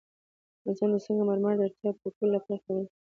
په افغانستان کې د سنگ مرمر د اړتیاوو پوره کولو لپاره اقدامات کېږي.